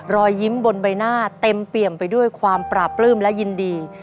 รอยยิ้มบนใบหน้าเต็มเปี่ยมไปด้วยความปราบปลื้มและยินดี